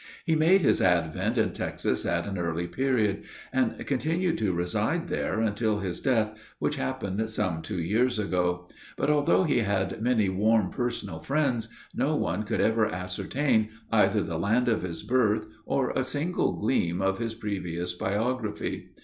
He made his advent in Texas at an early period, and continued to reside there until his death, which happened some two years ago; but, although he had many warm personal friends, no one could ever ascertain either the land of his birth, or a single gleam of his previous biography.